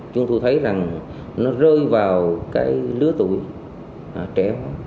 chúng tôi thấy rằng nó rơi vào cái lứa tuổi trẻ